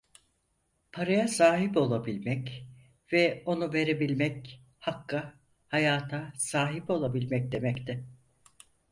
Paraya sahip olabilmek ve onu verebilmek hakka, hayata sahip olabilmek demekti.